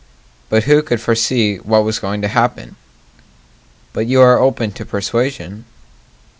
But who could foresee what was going to happen? But you are open to persuasion?